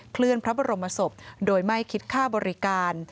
เคลื่อนพระบรมศพโดยไม่คิดค่าบริการ